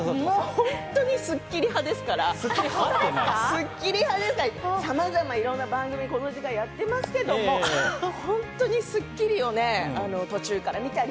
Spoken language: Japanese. ホントにもう『スッキリ』派ですから、さまざまいろんな番組、この時間やってますけど、本当に『スッキリ』を途中から見たり。